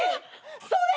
それ！